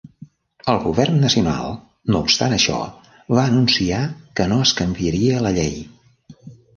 El govern nacional, no obstant això, va anunciar que no es canviaria la llei.